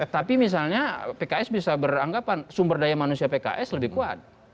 tapi misalnya pks bisa beranggapan sumber daya manusia pks lebih kuat